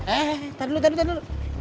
eh eh eh tar dulu tar dulu